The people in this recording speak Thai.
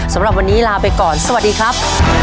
สำหรับวันนี้ลาไปก่อนสวัสดีครับ